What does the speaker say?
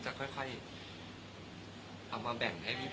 เวลานี้มันพิเศษไหมครับ